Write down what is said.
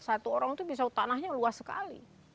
satu orang itu bisa tanahnya luas sekali